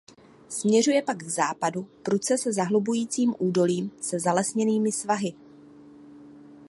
Směřuje pak k západu prudce se zahlubujícím údolím se zalesněnými svahy.